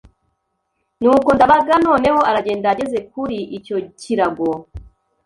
Nuko Nd abaga noneho aragenda ageze kuri icyo kirago